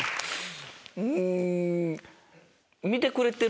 うん。